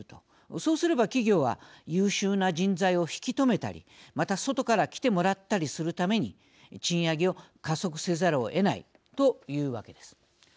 そうすれば企業は優秀な人材を引き止めたりまた外から来てもらったりするために賃上げを加速せざるをえないというわけです。